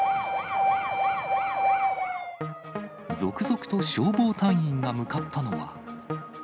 続々と消防隊員が向かったのは。